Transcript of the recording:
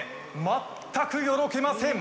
全くよろけません。